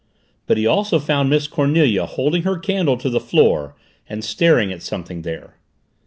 But he also found Miss Cornelia holding her candle to the floor and staring at something there.